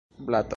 blato